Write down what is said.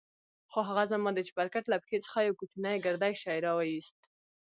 خو هغه زما د چپرکټ له پښې څخه يو کوچنى ګردى شى راوايست.